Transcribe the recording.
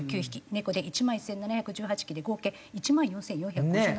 猫で１万１７１８匹で合計１万４４５７匹。